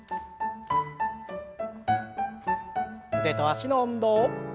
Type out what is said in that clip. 腕と脚の運動。